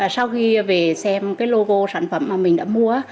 sau khi về xem cái logo sản phẩm mà mình đã mua